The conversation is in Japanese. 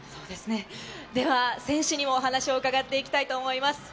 では選手にお話を伺っていきたいと思います。